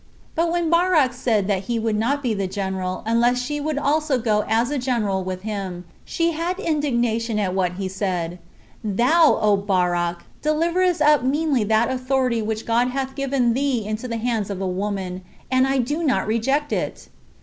But when Barak said that he would not be the general unless she would also go as a general with him, she had indignation at what he said "Thou, O Barak, deliverest up meanly that authority which God hath given thee into the hand of a woman, and I do not reject it!"